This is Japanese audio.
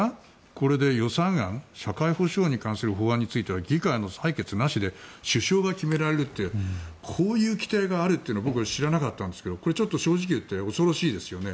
これで予算案社会保障に関する法案については議会の採決なしで首相が決められるってこういう規定があるというのは僕、知らなかったんですがこれちょっと、正直言って恐ろしいですよね。